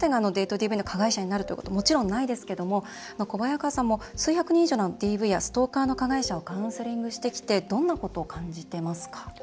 ＤＶの加害者になるということもちろんないですけども小早川さんも数百人以上のＤＶやストーカーの加害者をカウンセリングしてきてどんなことを感じてますか？